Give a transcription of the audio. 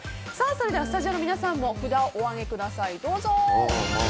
それではスタジオの皆さんも札をお上げください。